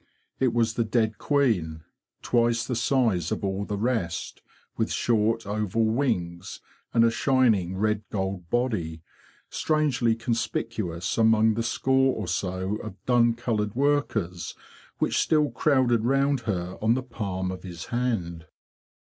It was the dead queen; twice the size of all the rest, with short oval wings and a shining red gold body, strangely conspicuous among the score or so of dun coloured workers which still crowded round her on the palm of his hand.